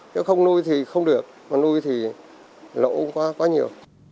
nếu không nuôi thì không được mà nuôi thì lỗ quá nhiều